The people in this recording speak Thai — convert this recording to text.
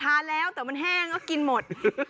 สุดยอดน้ำมันเครื่องจากญี่ปุ่น